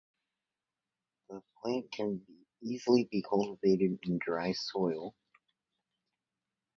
The plant can easily be cultivated in dry soil.